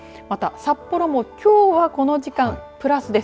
また、札幌もきょうはこの時間プラスです。